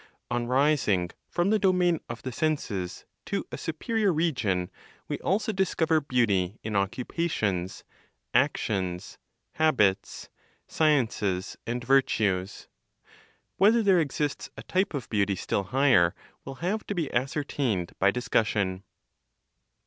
On rising from the domain of the senses to a superior region, we also discover beauty in occupations, actions, habits, sciences and virtues. Whether there exists a type of beauty still higher, will have to be ascertained by discussion.